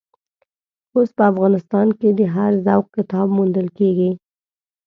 اوس په افغانستان کې د هر ذوق کتاب موندل کېږي.